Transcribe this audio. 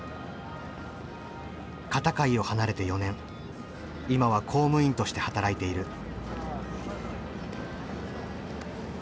片貝を離れて４年今は公務員として働いている。